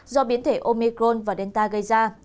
do biến thể omicron và delta gây ra